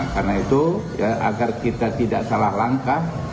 karena itu agar kita tidak salah langkah